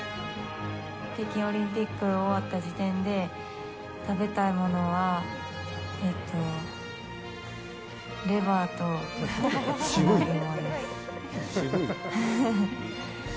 北京オリンピック終わった時点で、食べたいものはえーと、レバーと砂肝です。